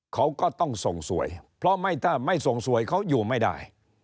เขาก็ต้องส่งสวยเพราะไม่ถ้าไม่ส่งสวยเขาอยู่ไม่ได้